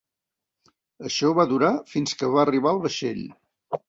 Això va durar fins que va arribar el vaixell.